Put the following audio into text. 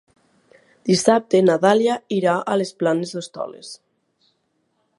Dissabte na Dàlia irà a les Planes d'Hostoles.